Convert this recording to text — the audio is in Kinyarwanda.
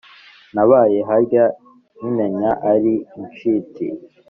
nabaye harya nkimenya ari ishiti,